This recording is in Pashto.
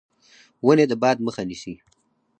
ونې د باد مخه نیسي.